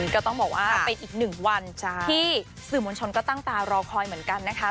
ก็ต้องบอกว่าเป็นอีกหนึ่งวันที่สื่อมวลชนก็ตั้งตารอคอยเหมือนกันนะคะ